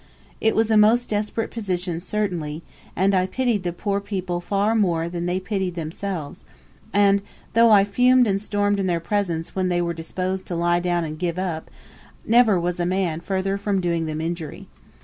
It was a most desperate position certainly, and I pitied the poor people far more than they pitied themselves; and though I fumed and stormed in their presence when they were disposed to lie down and give up, never was a man further from doing them injury.